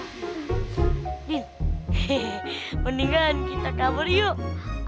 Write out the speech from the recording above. hmm mendingan kita kabur yuk